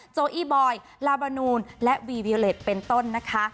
โจอี้บอยลาบานูนและวีวิเล็ตเป็นต้นนะคะ